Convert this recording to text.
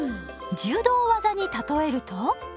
柔道技に例えると？